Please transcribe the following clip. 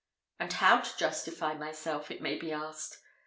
And how to justify myself? it may be asked.